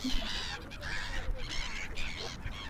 Mirangnu tampi nih cun a hreu in hreu an duh.